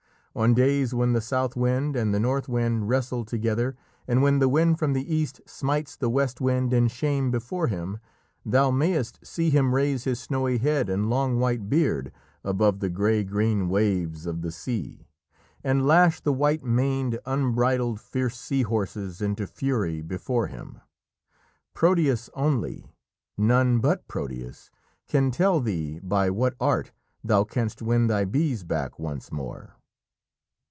On days when the South Wind and the North Wind wrestle together, and when the Wind from the East smites the West Wind in shame before him, thou mayst see him raise his snowy head and long white beard above the grey green waves of the sea, and lash the white maned, unbridled, fierce sea horses into fury before him. Proteus only none but Proteus can tell thee by what art thou canst win thy bees back once more."